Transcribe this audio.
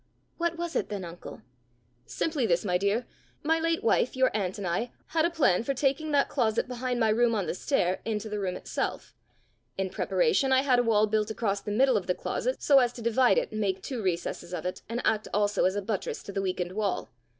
"What was it then, uncle?" "Simply this, my dear: my late wife, your aunt, and I, had a plan for taking that closet behind my room on the stair into the room itself. In preparation, I had a wall built across the middle of the closet, so as to divide it and make two recesses of it, and act also as a buttress to the weakened wall.